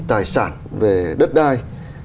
tài sản về đất đai